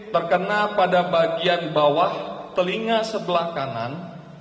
terkena pada bagian bawah telinga sebelah kanan